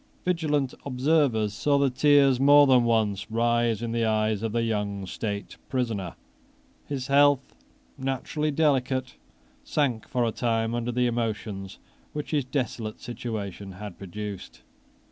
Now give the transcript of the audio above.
Vigilant observers saw the tears more than once rise in the eyes of the young state prisoner. His health, naturally delicate, sank for a time under the emotions which his desolate situation had produced.